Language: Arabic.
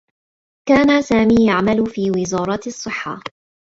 كان سامي يعمل في وزارة الصّحّة.